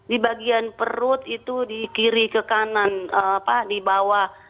di bagian perut itu di kiri ke kanan di bawah